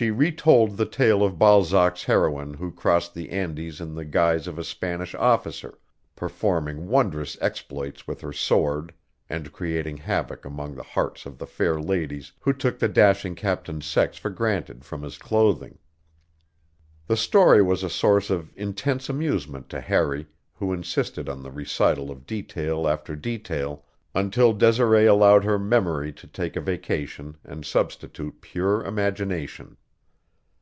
She retold the tale of Balzac's heroine who crossed the Andes in the guise of a Spanish officer, performing wondrous exploits with her sword and creating havoc among the hearts of the fair ladies who took the dashing captain's sex for granted from his clothing. The story was a source of intense amusement to Harry, who insisted on the recital of detail after detail, until Desiree allowed her memory to take a vacation and substitute pure imagination.